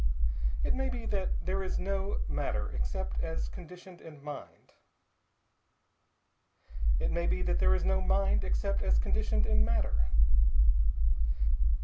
It may be that there is no matter except as conditioned in mind. It may be that there is no mind except as conditioned in matter.